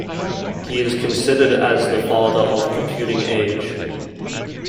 He is considered as the 'father of computing age'.